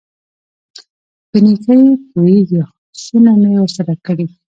په نېکۍ پوېېږي څونه مې ورسره کړي.